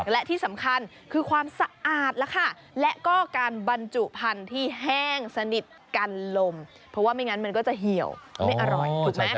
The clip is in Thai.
และที่สำคัญคือความสะอาดแล้วค่ะและก็การบรรจุพันธุ์ที่แห้งสนิทกันลมเพราะว่าไม่งั้นมันก็จะเหี่ยวไม่อร่อยถูกไหม